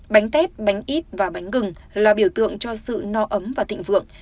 bánh tét bánh ít và bánh gừng là biểu tượng cho sự no ấm và thịnh vượng